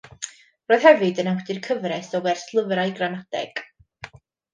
Roedd hefyd yn awdur cyfres o werslyfrau gramadeg.